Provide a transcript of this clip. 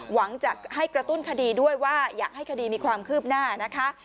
หวังจะให้กระตุ้นคดีด้วยว่าอยากให้คดีมีความคืบหน้านะคะ